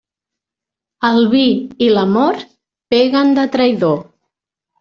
El vi i l'amor peguen de traïdor.